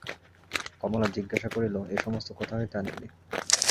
কমলা জিজ্ঞাসা করিল, এ-সমস্ত কোথা হইতে আনিলি?